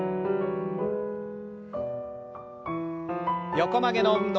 横曲げの運動。